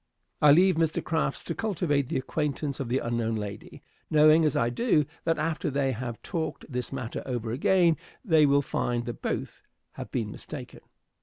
I leave Mr. Crafts to cultivate the acquaintance of the unknown lady, knowing as I do, that after they have talked this matter over again they will find that both have been mistaken.